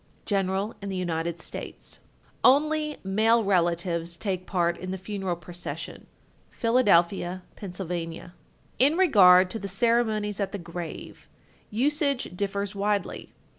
General in the United States. 1249. Only male relatives take part in the funeral procession. Philadelphia, Pa. 1250. In regard to the ceremonies at the grave, usage differs widely.